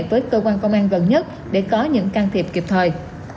với cơ quan công an gần nhất để có những can thiệp kịp thời